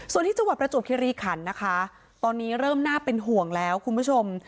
ส่วนที่จังหวัดประจวบคิริขันนะคะตอนนี้เริ่มน่าเป็นห่วงแล้วคุณผู้ชม